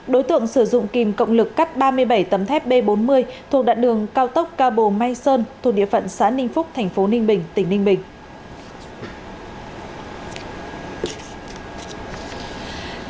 đối tượng sử dụng kìm cộng lực cắt ba mươi bảy tấm thép b bốn mươi thuộc đoạn đường cao tốc ca bồ mai sơn thuộc địa phận xã ninh phúc thành phố ninh bình tỉnh ninh bình